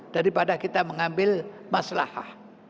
daripada kita mengambil masalah